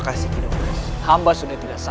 kakanda dinda pintas